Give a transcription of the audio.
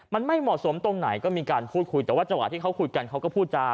มันไม่เหมาะสมตรงไหนก็มีการพูดคุยแต่ว่าจังหวะที่เขาคุยกันเขาก็พูดจา